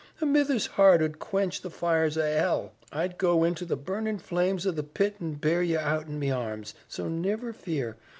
A mither's heart ud quench the fires o' hell. I'd go inter the burnin' flames o' the pit an' bear ye out in me arms. So niver fear.